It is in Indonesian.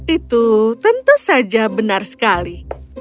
itu tentu saja benar sekali